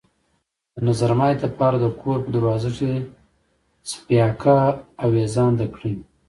د نظرماتي د پاره د كور په دروازه کښې څپياكه اوېزانده کړه۔